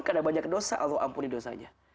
karena banyak dosa allah ampuni dosanya